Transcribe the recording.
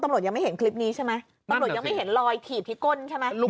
ยังไม่เห็นคลิปนี้ใช่ไหมตำรวจยังไม่เห็นรอยถีบที่ก้นใช่ไหม